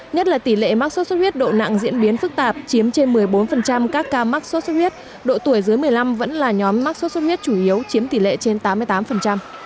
nhất là tỷ lệ mắc sốt xuất huyết độ nặng diễn biến phức tạp chiếm trên một mươi bốn các ca mắc sốt xuất huyết độ tuổi dưới một mươi năm vẫn là nhóm mắc sốt xuất huyết chủ yếu chiếm tỷ lệ trên tám mươi tám